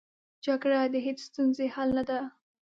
جګړه د هېڅ ستونزې حل نه ده